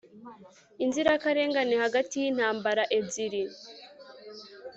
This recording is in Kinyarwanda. inzirakarengane hagati y'intambara ebyiri,